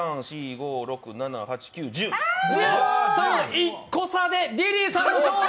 １個差でリリーさん勝利。